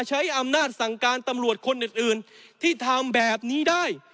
ใช้อำนาจสั่งการตำรวจคนอื่นที่ทำแบบนี้ได้